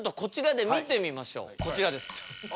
こちらです。